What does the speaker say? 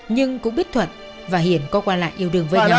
nhưng cũng biết thuận và hiền có qua lại yêu đương với nhau